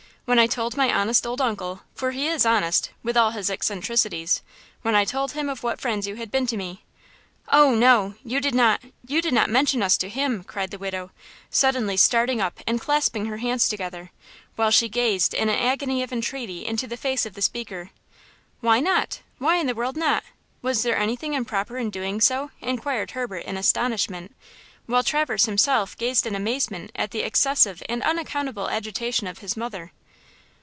When I told my honest old uncle–for he is honest, with all his eccentricities–when I told him of what friends you had been to me–" "Oh, no; you did not–you did not mention us to him?" cried the widow, suddenly starting up and clasping her hands together, while she gazed in an agony of entreaty into the face of the speaker. "Why not? Why in the world not? Was there anything improper in doing so?" inquired Herbert in astonishment, while Traverse himself gazed in amazement at the excessive and unaccountable agitation of his mother.